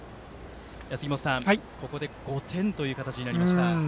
杉本さん、ここで５点という形になりました。